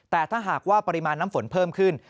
แต่ถ้าหากว่าปริมาณน้ำฝนเพิ่มขึ้น